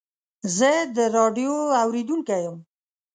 زه د راډیو اورېدونکی یم.